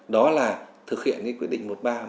đó là thực hiện quyết định một nghìn ba trăm một mươi ba